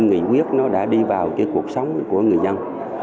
nghị quyết đã đi vào cuộc sống của người dân